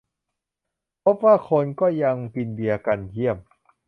พบว่าคนก็ยังกินเบียร์กัน เยี่ยม !